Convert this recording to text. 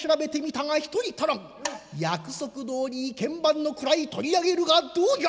約束どおり意見番の位取り上げるがどうじゃ」。